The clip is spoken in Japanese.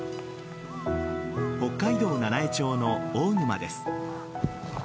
北海道七飯町の大沼です。